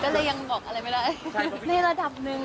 ก็เลยยังบอกอะไรไม่ได้ในระดับหนึ่ง